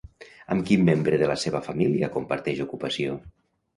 Amb quin membre de la seva família comparteix ocupació?